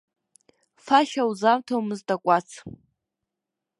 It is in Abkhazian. Фашьа узаҭомызт акәац.